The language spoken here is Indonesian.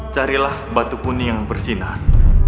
carilah batu kuning yang bersinar